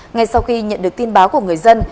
ngay sau khi nhận được tin báo của người dân